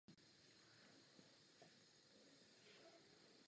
Spoluzakládal exilovou Společnost pro vědy a umění.